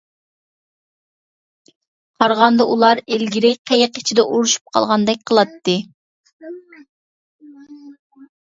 قارىغاندا ئۇلار ئىلگىرى قېيىق ئىچىدە ئۇرۇشۇپ قالغاندەك قىلاتتى.